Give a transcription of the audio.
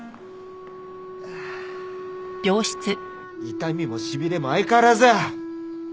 痛みも痺れも相変わらず！